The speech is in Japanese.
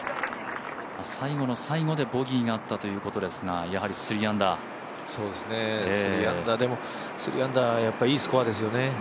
最後の最後でボギーがあったということですが３アンダーでも、やっぱりいいスコアですよね。